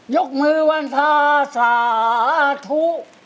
ยกมือวันพาสาธุ